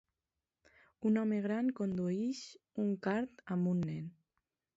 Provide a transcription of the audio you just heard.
Un home gran condueix un kart amb un nen.